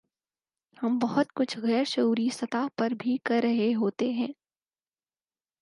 ہم بہت کچھ غیر شعوری سطح پر بھی کر رہے ہوتے ہیں۔